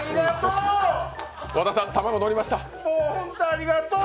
ありがとう！